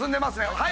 はい。